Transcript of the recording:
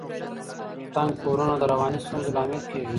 تنګ کورونه د رواني ستونزو لامل کیږي.